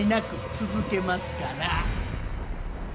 続けますから。